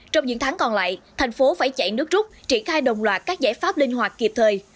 trong những tháng còn lại thành phố phải chạy nước rút triển khai đồng loạt các giải pháp linh hoạt kịp thời